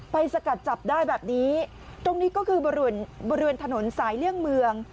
สกัดจับได้แบบนี้ตรงนี้ก็คือบริเวณบริเวณถนนสายเลี่ยงเมือง